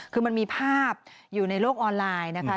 คือมันมีภาพอยู่ในโลกออนไลน์นะคะ